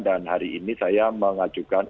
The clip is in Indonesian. dan hari ini saya mengajukan